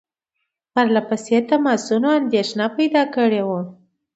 پرله پسې تماسونو اندېښنه پیدا کړې وه.